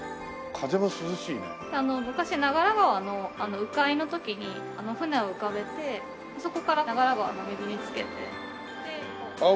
昔長良川の鵜飼の時に船を浮かべてそこから長良川の水につけてでこう。